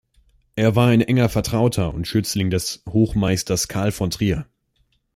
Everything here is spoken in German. Er war ein enger Vertrauter und Schützling des Hochmeisters Karl von Trier.